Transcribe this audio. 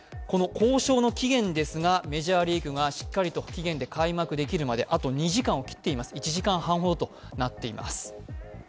この交渉の期限ですが、メジャーリーグがしっかりと開幕できるまであと２時間を切っています、１時間半ほどとなっています。